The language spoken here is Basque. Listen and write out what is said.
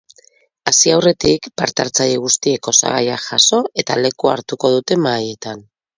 Hasi aurretik, parte-hartzaile guztiek osagaiak jaso eta lekua hartuko dute mahaietan.